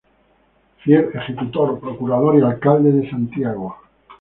Fiel Ejecutor, Procurador y Alcalde de Santiago.